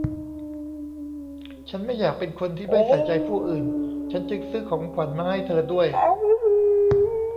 ฉันไม่อยากเป็นคนที่ไม่ใส่ใจผู้อื่น ฉันจึงซื้อของขวัญมาให้เธอด้วย